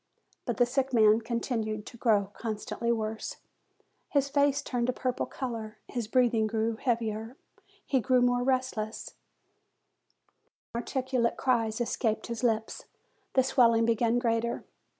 But the sick man continued to grow con stantly worse; his face turned a purple color, his breathing grew heavier, he grew more restless, inartic ulate cries escaped his lips, the swelling became greater.